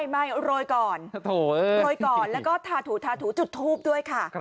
ไม่โรยก่อนโรยก่อนแล้วก็ทาถูทาถูจุดทูปด้วยค่ะ